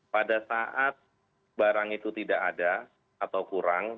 pada saat barang itu tidak ada atau kurang